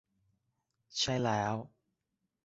ใช่แล้ว